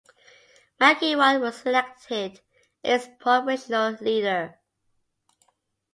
MacEwan was elected its provincial leader.